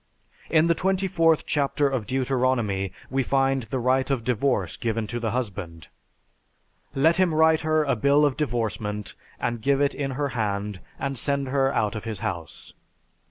In the 24th chapter of Deuteronomy we find the right of divorce given to the husband. "Let him write her a bill of divorcement and give it in her hand and send her out of his house."